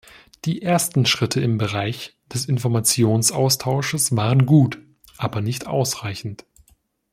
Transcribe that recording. Die ersten Schritte im Bereich des Informationsaustausches waren gut, aber nicht ausreichend.